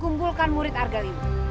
kumpulkan murid arga limu